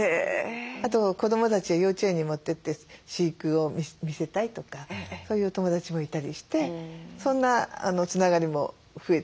あと子どもたちが幼稚園に持ってって飼育を見せたいとかそういうお友達もいたりしてそんなつながりも増えたりしますよね。